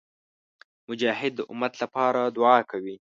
مجاهد د امت لپاره دعا کوي.